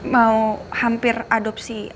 mau hampir adopsi